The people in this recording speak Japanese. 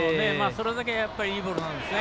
それだけ、いいボールなんですね。